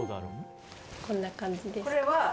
こんな感じです。